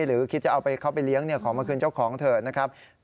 หรือคิดจะเอาไปเขาไปเลี้ยงขอมาคืนเจ้าของเถอะนะครับ